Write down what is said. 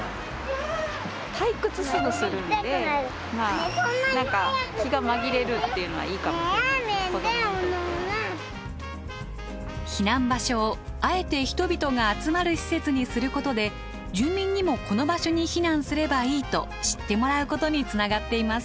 退屈すぐするんでまあ何か避難場所をあえて人々が集まる施設にすることで住民にもこの場所に避難すればいいと知ってもらうことにつながっています。